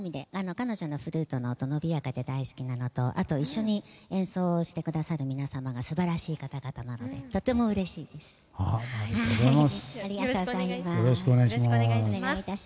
彼女のフルートの音のびやかで大好きなのとあと、一緒に演奏してくださる皆様が素晴らしい方々なのでとってもうれしいです。